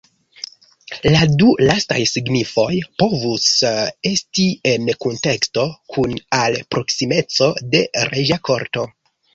La du lastaj signifoj povus esti en kunteksto kun al proksimeco de reĝa korto.